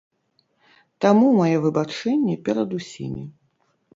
Таму мае выбачэнні перад усімі.